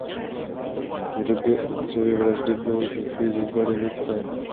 V době otcovy vraždy bylo Žofii zhruba devět let.